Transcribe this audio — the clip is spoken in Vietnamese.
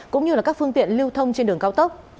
cũng như các phương tiện lưu thông trên đường cao tốc